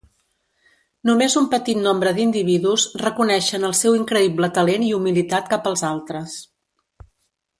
Només un petit nombre d'individus reconeixen el seu increïble talent i humilitat cap als altres.